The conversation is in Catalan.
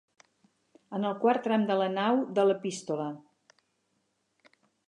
En el quart tram de la nau de l'Epístola.